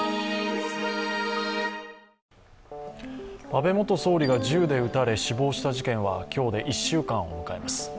安倍元総理が銃で撃たれ死亡した事件は、今日で１週間を迎えます。